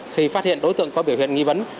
khi phát hiện đối tượng có biểu hiện nghi vấn